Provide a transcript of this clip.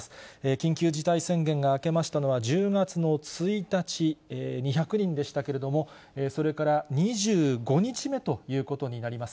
緊急事態宣言が明けましたのは１０月の１日、２００人でしたけれども、それから２５日目ということになります。